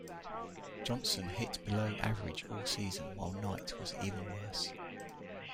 Johnson hit below average all season while Knight was even worse.